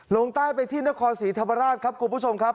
ลงใต้ไปที่นครศรีธรรมราชครับคุณผู้ชมครับ